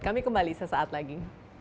kami kembali sesaat lagi